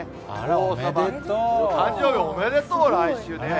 王様、誕生日おめでとう、来週ね。